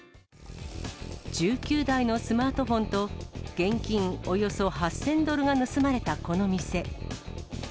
１９台のスマートフォンと現金およそ８０００ドルが盗まれたこの店。